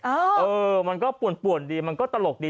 เออมันก็ป่วนดีมันก็ตลกดี